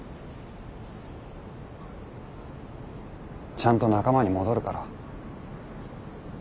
ちゃんと仲間に戻るから。